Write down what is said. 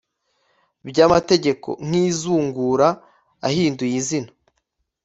By amategeko nk izungura ahinduye izina